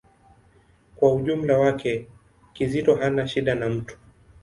Kwa ujumla wake, Kizito hana shida na mtu.